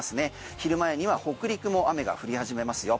昼前には北陸も雨が降り始めますよ。